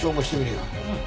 うん。